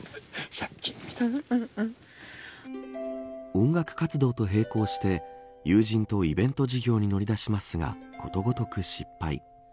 音楽活動と並行して友人とイベント事業に乗り出しますがことごとく失敗。